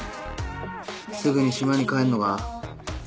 すぐに島に帰んのか？